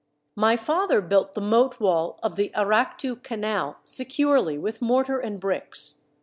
My father built the moat wall of the Arachtu canal securely with mortar and bricks.